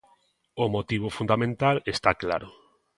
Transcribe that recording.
O motivo fundamental está claro.